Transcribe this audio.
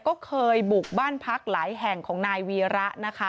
ก็เคยบุกบ้านพักหลายแห่งของนายวีระนะคะ